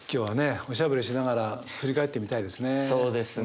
おしゃべりしながら振り返ってみたいですね。